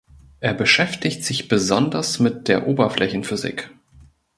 Er beschäftigt sich besonders mit der Oberflächenphysik.